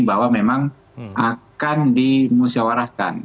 bahwa memang akan dimusyawarahkan